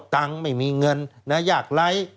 ตังค์ไม่มีเงินยากไร้